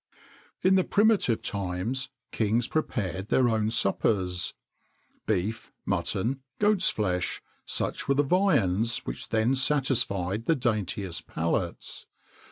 In the primitive times, kings prepared their own suppers.[XXIX 53] Beef, mutton, goat's flesh such were the viands which then satisfied the daintiest palates.